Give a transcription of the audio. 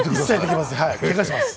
けがします。